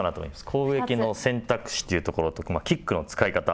攻撃の選択肢というところとキックの使い方。